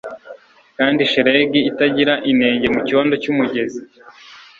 kandi shelegi itagira inenge mucyondo cyumugezi